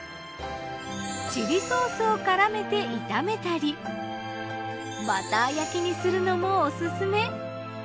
チリソースを絡めて炒めたりバター焼きにするのもオススメ。